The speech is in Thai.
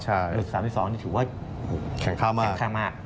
หลุด๓๒นี่ถือว่าแข็งค่ามาก